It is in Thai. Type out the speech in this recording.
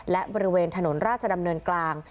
และบริเวณถนนราชดำเนินกลาง